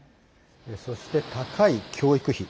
そして、高い教育費。